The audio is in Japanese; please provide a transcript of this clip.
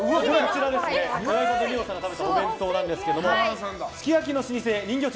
岩井さんと二葉さんが食べたお弁当ですがすき焼きの老舗人形町